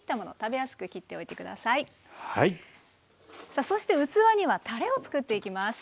さあそして器にはたれを作っていきます。